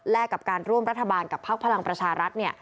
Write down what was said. และกับการร่วมรัฐบาลกับพักพลังประชารัฐ